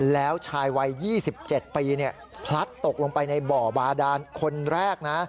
แล้วชายวัย๒๗ปีพลัดตกลงไปในบ่อบาดานคนแรกนะ